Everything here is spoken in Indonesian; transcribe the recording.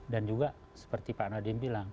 dan juga seperti pak nadiem bilang